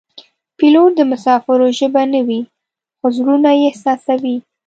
پیلوټ د مسافرو ژبه نه وي خو زړونه یې احساسوي.